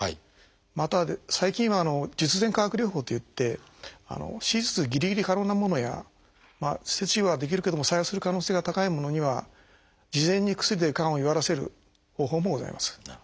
また最近は術前化学療法といって手術ぎりぎり可能なものや切除はできるけども再発する可能性が高いものには事前に薬でがんを弱らせる方法もございます。